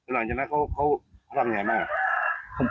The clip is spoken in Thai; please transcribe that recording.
หลังจากนั้นเขาทำยังไงบ้าง